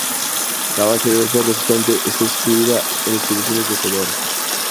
La base de datos resultante está incluida en las distribuciones de Fedora.